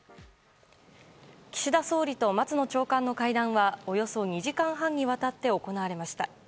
岸田総理と松野長官の会談はおよそ２時間半にわたって行われました。